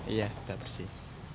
iya tidak bersih